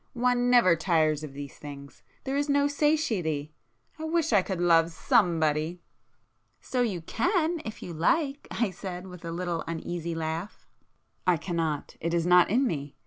One never tires of these things,—there is no satiety! I wish I could love somebody!" "So you can, if you like,"—I said, with a little uneasy laugh. "I cannot. It is not in me.